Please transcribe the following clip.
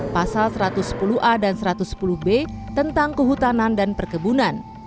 pasal satu ratus sepuluh a dan satu ratus sepuluh b tentang kehutanan dan perkebunan